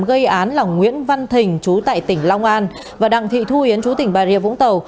gây án là nguyễn văn thình chú tại tỉnh long an và đặng thị thu yến chú tỉnh bà rịa vũng tàu